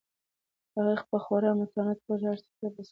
هغې په خورا متانت وویل چې هر څه به سم شي.